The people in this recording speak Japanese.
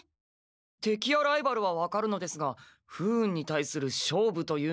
てきやライバルは分かるのですが不運に対する勝負というのは。